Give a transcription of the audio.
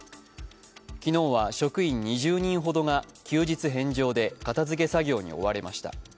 昨日は職員２０人ほどが休日返上で片付け作業に追われました。